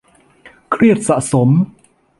เครียดสะสม